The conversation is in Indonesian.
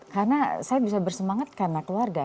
karena saya bisa bersemangat karena keluarga